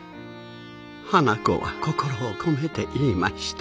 花子は心を込めて言いました。